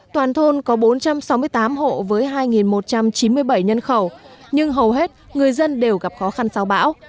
toàn thôn có bốn trăm sáu mươi tám hộ với hai một trăm chín mươi bảy nhân khẩu nhưng hầu hết người dân đều gặp khó khăn sau bão